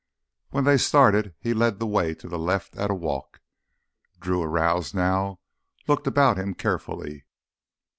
When they started he led the way to the left at a walk. Drew, aroused now, looked about him carefully.